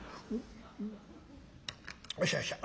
「よっしゃよっしゃ。